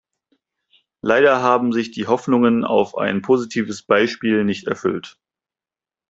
Leider haben sich die Hoffnungen auf ein positives Beispiel nicht erfüllt.